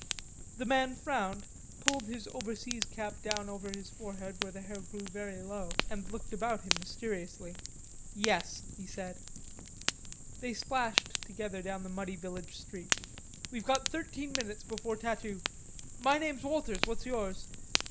The man frowned, pulled his overseas cap down over his forehead, where the hair grew very low, and looked about him mysteriously. "Yes," he said. They splashed together down the muddy village street. "We've got thirteen minutes before tattoo.... My name's Walters, what's yours?"